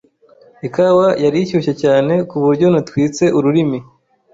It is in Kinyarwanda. Ikawa yari ishyushye cyane kuburyo natwitse ururimi.